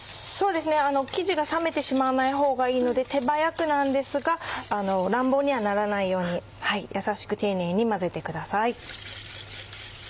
そうですね生地が冷めてしまわないほうがいいので手早くなんですが乱暴にはならないようにやさしく丁寧に混ぜてください。